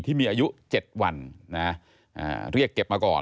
ที่มีอายุ๗วันเรียกเก็บมาก่อน